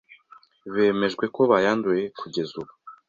bemejwe ko bayanduye kugeza ubu.